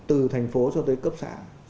từ thành phố cho tới cấp xã